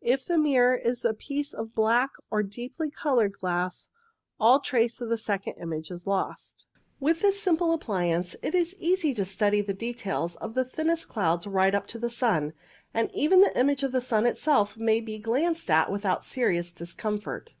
If the mirror is a piece of black or deeply coloured glass all trace of the second image is lost. OBSERVATION OF CLOUDS 15 With this simple appliance it is easy to study the details of the thinnest clouds right up to the sun, and even the image of the sun itself may be glanced at without serious discomfort.